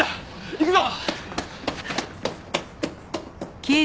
行くぞ！